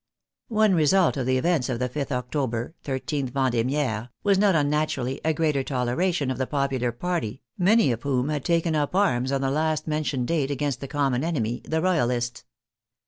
One result of the events of the 5th October (13th Ven demiaire) was not unnaturally a greater toleration of the popular party, many of whom had taken up arms on the last mentioned date against the common enemy, the Royalists.